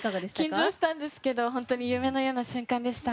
緊張したんですけど本当に夢のような瞬間でした。